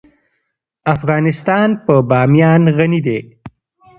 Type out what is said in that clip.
افغانستان په بامیان غني دی.